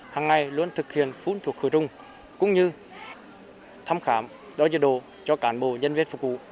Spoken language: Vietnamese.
hằng ngày luôn thực hiện phun thuộc khử trung cũng như thăm khám đối với đồ cho cán bộ nhân viên phục vụ